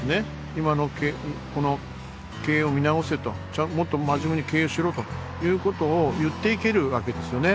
今のこの経営を見直せともっと真面目に経営しろということを言っていけるわけですよね。